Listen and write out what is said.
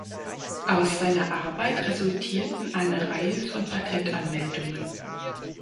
Aus seiner Arbeit resultierten eine Reihe von Patentanmeldungen.